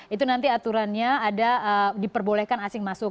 itu nanti aturannya ada diperbolehkan asing masuk